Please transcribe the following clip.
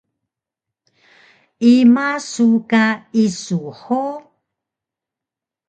Ima su ka isu hug?